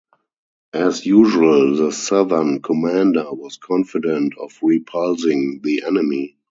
As usual, the Southern commander was confident of repulsing the enemy.